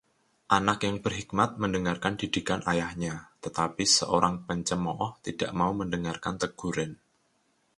Anak yang berhikmat mendengarkan didikan ayahnya, tetapi seorang pencemooh tidak mau mendengarkan teguran.